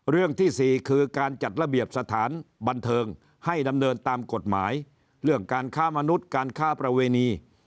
เรื่องที่๔คือการจัดระเบียบสถานบันเทิงให้ดำเนินตามกฎหมายเรื่องการค้ามนุษย์การค้าประเวณี